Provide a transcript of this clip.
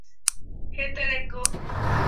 Hetereko.